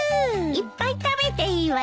いっぱい食べていいわよ。